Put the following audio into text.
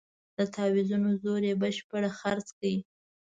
د تاویزونو زور یې بشپړ خرڅ کړ.